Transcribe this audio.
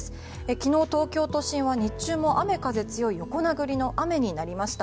昨日、東京都心は日中も雨風強い横殴りの雨になりました。